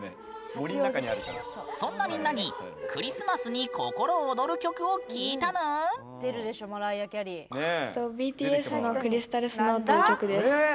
そんなみんなにクリスマスに心躍る曲を聞いたぬーん！